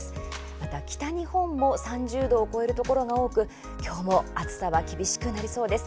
また北日本も３０度を超えるところが多く今日も暑さは厳しくなりそうです。